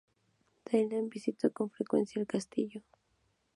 Talleyrand visitó con frecuencia el castillo.